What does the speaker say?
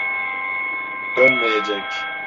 Dönmeyecek.